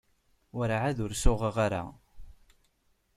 Werɛad ur suɣeɣ ara.